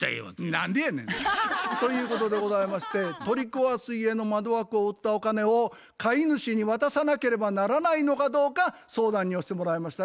何でやねん！ということでございまして取り壊す家の窓枠を売ったお金を買主に渡さなければならないのかどうか相談に寄してもらいました。